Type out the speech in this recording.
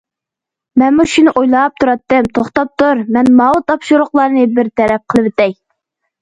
مەنمۇ شۇنى ئويلاپ تۇراتتىم، توختاپ تۇر، مەن ماۋۇ تاپشۇرۇقلارنى بىر تەرەپ قىلىۋېتەي.